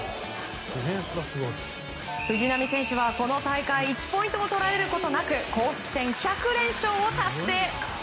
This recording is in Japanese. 藤波選手は、この大会１ポイントも取られることなく公式戦１００連勝を達成。